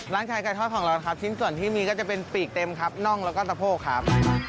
ขายไก่ทอดของเราครับชิ้นส่วนที่มีก็จะเป็นปีกเต็มครับน่องแล้วก็ตะโพกครับ